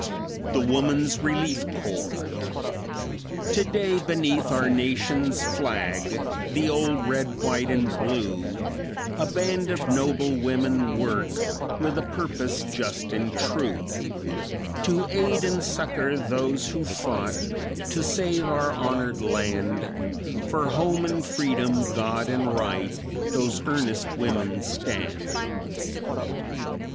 THE WOMANS RELIEF CORPS "Today beneath our Nation's flag, The old red, white and blue, A band of noble women work With a purpose just and true; To aid and succor those who fought To save our honored land, For home and freedom, God and right, Those earnest women stand."